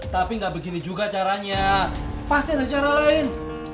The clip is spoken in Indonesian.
tapi nggak begini juga caranya pasti ada cara lain